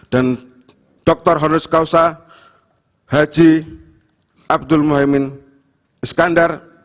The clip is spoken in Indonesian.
dan dr honus kausa haji abdul mohamed iskandar